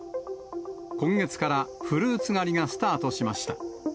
今月からフルーツ狩りがスタートしました。